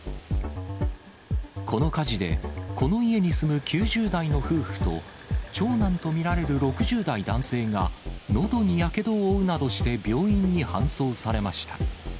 この火事で、この家に住む９０代の夫婦と、長男と見られる６０代男性が、のどにやけどを負うなどして病院に搬送されました。